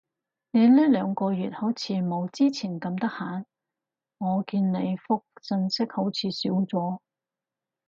你呢兩個月好似冇之前咁得閒？我見你覆訊息好似少咗